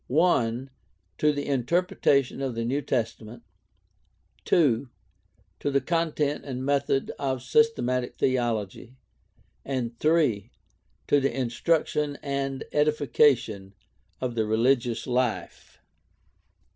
(i) to the interpretation of the New Testament, (2) to the content and method of systematic theology, and (3) to the instruction and edification of the reli gious life.